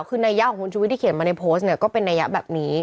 คือนัยยะของคุณชุวิตที่เขียนมาในโพสต์เนี่ยก็เป็นนัยยะแบบนี้